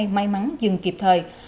may mắn dừng kịp thời